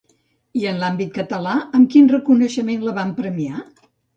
I en l'àmbit català, amb quin reconeixement la van premiar?